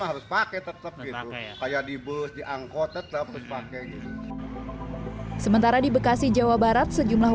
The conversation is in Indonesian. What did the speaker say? harus pakai tetap gitu kayak di bus diangkut tetap pakai gitu sementara di bekasi jawa barat sejumlah